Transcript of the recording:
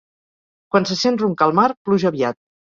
Quan se sent roncar el mar, pluja aviat.